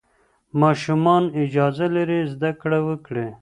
ماشومان اجازه لري زده کړه وکړي.